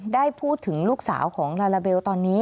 ได้พูดถึงลูกสาวของลาลาเบลตอนนี้